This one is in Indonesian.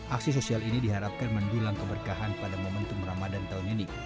aksi sosial ini diharapkan mendulang keberkahan pada momentum ramadan tahun ini